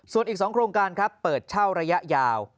ส่วนอีก๒โครงการครับเปิดเช่าระยะยาว